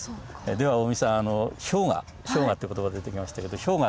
では近江さん「氷河」って言葉出てきましたけど氷の河。